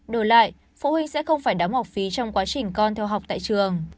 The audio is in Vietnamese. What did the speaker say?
đổi lại phụ huynh sẽ không phải đóng học phí trong quá trình con theo học tại trường